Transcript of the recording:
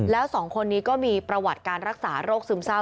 แล้วสองคนนี้ก็มีประวัติการรักษาโรคซึมเศร้า